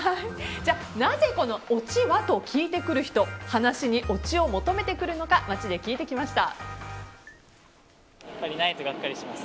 じゃあ、なぜオチは？と聞いてくる人話にオチを求めてくるのか街で聞いてきました。